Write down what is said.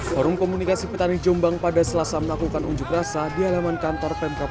forum komunikasi petani jombang pada selasa melakukan unjuk rasa di halaman kantor pemprov